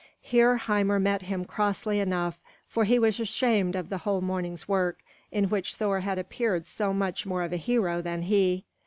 Here Hymir met him crossly enough, for he was ashamed of the whole morning's work, in which Thor had appeared so much more of a hero than he.